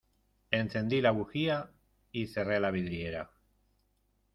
Encendí la bujía y cerré la vidriera.